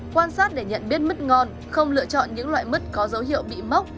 quan sát để nhận biết mứt ngon không lựa chọn những loại mứt có dấu hiệu bị mốc